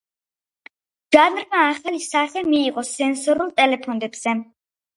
ჟანრმა ახალი სახე მიიღო სენსორულ ტელეფონებზე.